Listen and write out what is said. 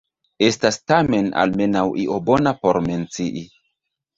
Estas tamen almenaŭ io bona por mencii.